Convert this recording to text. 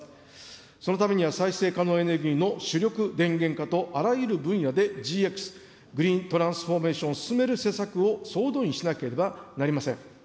そのためには再生可能エネルギーの主力電源化と、あらゆる分野でＧＸ・グリーントランスフォーメーションを進める施策を総動員しなければなりません。